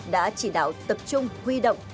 đã chỉ đạo tập trung huy động